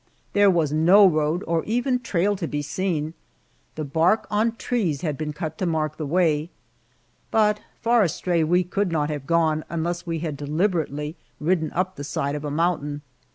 There was no road or even trail to be seen; the bark on trees had been cut to mark the way, but far astray we could not have gone unless we had deliberately ridden up the side of a mountain.